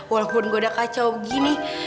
walaupun gue udah kacau gini